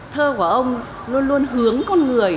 thơ của ông luôn luôn hướng con người